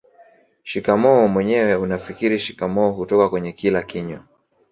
Shikamoo mwenyewe unafikiri shikamoo hutoka kwenye kila kinywa